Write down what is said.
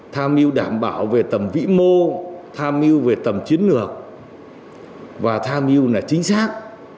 tham mưu đảm bảo về tầm vĩ mô tham mưu về tầm chiến lược và tham mưu là chính xác